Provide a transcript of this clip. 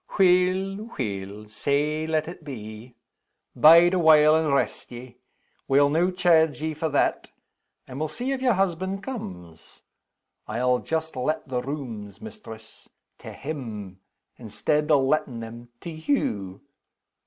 "Weel! weel! sae let it be. Bide awhile, and rest ye. We'll no' chairge ye for that and we'll see if your husband comes. I'll just let the rooms, mistress, to him,, instead o' lettin' them to _you.